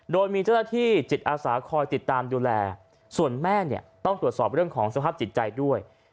โดยมีเจ้าหน้าที่จิตอาสาคอยติดตามดูแลส่วนแม่เนี่ยต้องตรวจสอบเรื่องของสภาพจิตใจด้วย